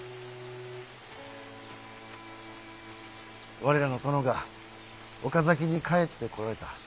我らの殿が岡崎に帰ってこられた。